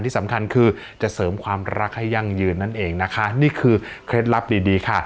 ที่สำคัญคือจะเสริมความรักให้ยั่งยืนนั่นเองนะคะนี่คือเคล็ดลับดีดีค่ะ